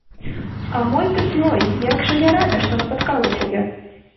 А мой ты свой, як жа я рада, што напаткала цябе.